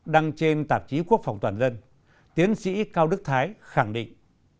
đăng trên tạp chí quốc phòng toàn dân tiến sĩ cao đức thái khẳng định